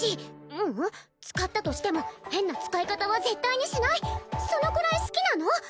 ううん使ったとしても変な使い方は絶対にしないそのくらい好きなの！